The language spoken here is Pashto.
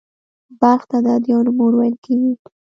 بلخ ته «د ادیانو مور» ویل کېږي